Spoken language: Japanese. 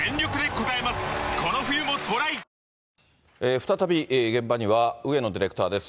再び現場には、上野ディレクターです。